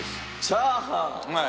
チャーハン！